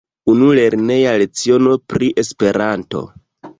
Unu lerneja leciono pri Esperanto!